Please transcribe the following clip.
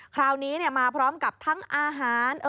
คราวนี้มาพร้อมกับทั้งอาหาร